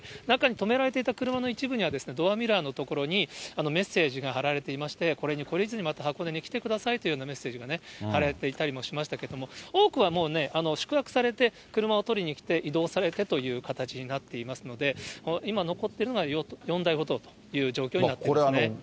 中に止められていた車の一部には、ドアミラーの所にメッセージが貼られていまして、これに懲りずにまた箱根に来てくださいというようなメッセージが貼られていたりもしましたけども、多くはもうね、宿泊されて、車を取りに来て移動されてという形になっていますので、今残っているのは４台ほどという状況になっていますね。